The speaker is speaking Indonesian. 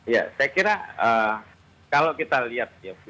ya saya kira kalau kita lihat ya